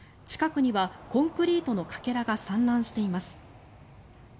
近くにはコンクリートのかけらが散乱しています。